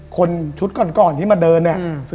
คนชุดก่อนที่มาเดิน